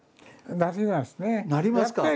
なりますね。